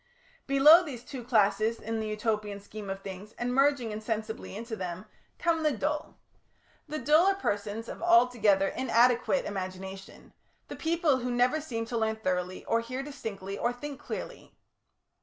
Below these two classes in the Utopian scheme of things, and merging insensibly into them, come the Dull. The Dull are persons of altogether inadequate imagination, the people who never seem to learn thoroughly, or hear distinctly, or think clearly.